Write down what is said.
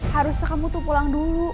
harusnya kamu tuh pulang dulu